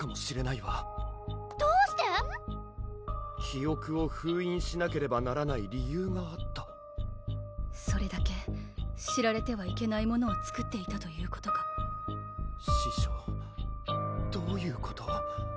記憶を封印しなければならない理由があったそれだけ知られてはいけないものを作っていたということか師匠どういうこと？